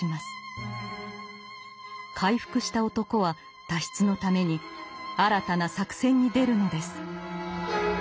回復した男は脱出のために新たな作戦に出るのです。